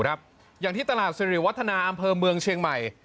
อย่างที่ตลาดสิริวัฒนาอำเภอเมืองเชียงใหม่